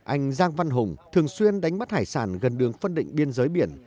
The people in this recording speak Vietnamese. anh giang văn hùng thường xuyên đánh bắt hải sản gần đường phân định biên giới biển